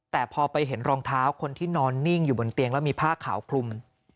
แต่พอไปเห็นรองเท้าคนที่นอนนิ่งอยู่บนเตียงแล้วมีผ้าขาวคลุม